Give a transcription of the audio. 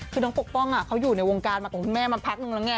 คือน้องปกป้องเขาอยู่ในวงการมากับคุณแม่มาพักนึงแล้วไง